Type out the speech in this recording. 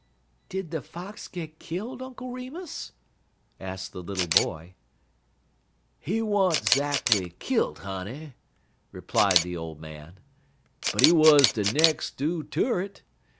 '" "Did the fox get killed, Uncle Remus?" asked the little boy. "He wa'n't 'zackly kilt, honey," replied the old man, "but he wuz de nex' do' ter't.